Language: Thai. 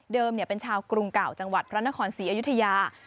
เป็นชาวกรุงเก่าจังหวัดพระนครศรีอยุธยา